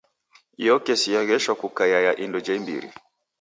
Iyo kesi yagheshwa kukaia ya indo ja imbiri.